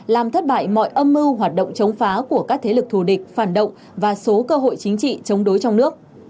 làm thất bại mọi âm mưu hoạt động chống phá của các thế lực thù địch phản động và số cơ hội chính trị chống đối trong nước